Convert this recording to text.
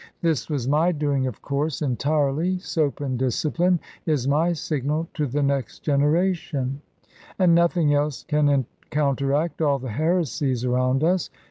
This was my doing, of course, entirely. "Soap and discipline" is my signal to the next generation; and nothing else can counteract all the heresies around us.